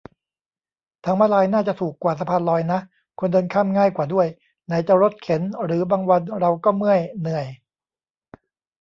ทางม้าลายน่าจะถูกกว่าสะพานลอยนะ คนเดินข้ามง่ายกว่าด้วย ไหนจะรถเข็น หรือบางวันเราก็เมื่อย เหนื่อย